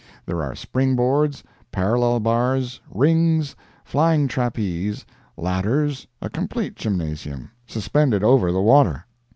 There are spring boards, parallel bars, rings, flying trapeze, ladders—a complete gymnasium—suspended over the water.